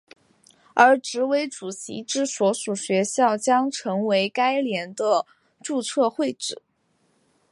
而执委主席之所属学校将成为该年的注册会址。